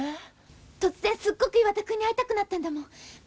突然すっごく岩田君に会いたくなったんだもん